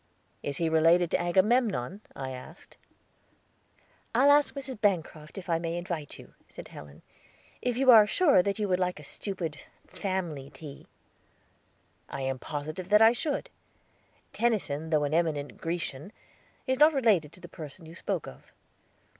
"Is he related to Agamemnon?" I asked. "I'll ask Mrs. Bancroft if I may invite you," said Helen, "if you are sure that you would like a stupid, family tea." "I am positive that I should. Tennyson, though an eminent Grecian, is not related to the person you spoke of."